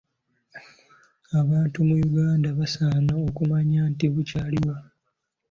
Abantu mu Uganda basaana okumanya nti bukyaliwo.